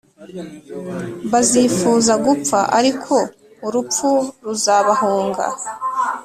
bazifuza gupfa ariko urupfu ruzabahunga.